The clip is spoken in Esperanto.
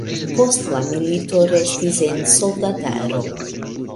Post la milito restis en soldataro.